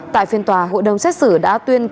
tại phiên tòa hội đồng xét xử đã tuyên